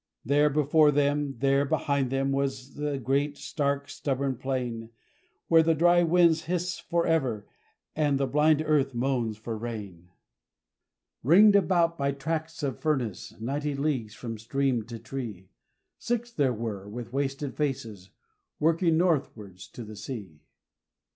There before them, there behind them, was the great, stark, stubborn plain, Where the dry winds hiss for ever, and the blind earth moans for rain! Ringed about by tracks of furnace, ninety leagues from stream and tree, Six there were, with wasted faces, working northwards to the sea! .....